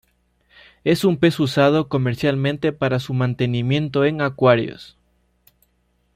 Es un pez usado comercialmente para su mantenimiento en acuarios.